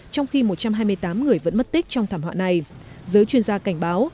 trong khi một trăm hai mươi tám người vẫn mất tích trong thảm họa này giới chuyên gia cảnh báo